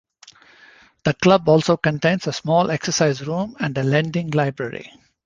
The club also contains a small exercise room and a lending library.